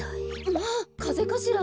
まあかぜかしら。